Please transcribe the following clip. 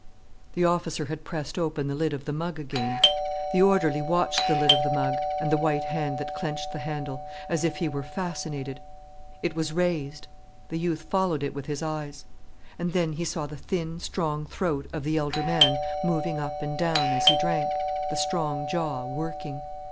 The officer had pressed open the lid of the mug again. The orderly watched the lid of the mug, and the white hand that clenched the handle, as if he were fascinated. It was raised. The youth followed it with his eyes. And then he saw the thin, strong throat of the elder man moving up and down as he drank, the strong jaw working.